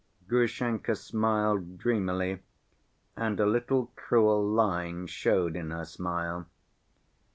Grushenka smiled dreamily and a little cruel line showed in her smile.